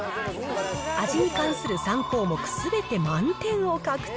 味に関する３項目すべて満点を獲得。